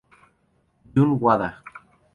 Jun Wada